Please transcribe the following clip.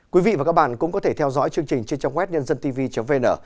quý vị và các bạn cũng có thể theo dõi chương trình trên trang web nhân dân tv vn